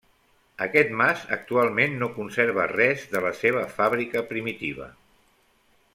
Aquest mas actualment no conserva res de la seva fàbrica primitiva.